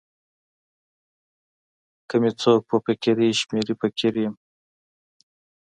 که می څوک په فقیری شمېري فقیر سم.